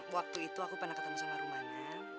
waktu itu aku pernah ketemu sama rumana